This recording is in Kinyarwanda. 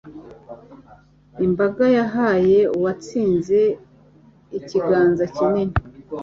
Imbaga yahaye uwatsinze ikiganza kinini.